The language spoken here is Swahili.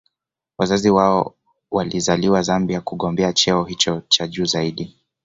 Wazazi wao walizaliwa Zambia kugombea cheo hicho cha juu zaidi